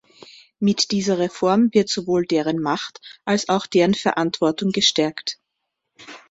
Mit dieser Reform wird sowohl deren Macht als auch deren Verantwortung gestärkt.